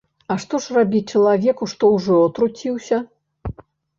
А што ж рабіць чалавеку, што ўжо атруціўся?